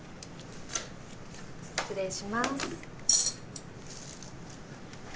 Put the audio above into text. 失礼します。